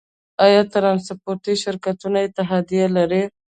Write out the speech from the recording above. آیا ټرانسپورټي شرکتونه اتحادیه لري؟